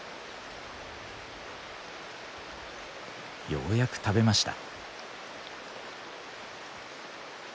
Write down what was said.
ようやく食べました。